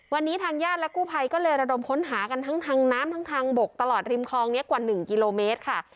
วันนี้ทางญาติและกู้ภัยก็เลยระดมค้นหากันทั้งทางน้ำทั้งทางบกตลอดริมคลองนี้กว่า๑กิโลเมตรค่ะ